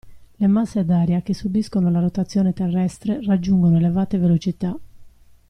Le masse d'aria che subiscono la rotazione terrestre raggiungono elevate velocità.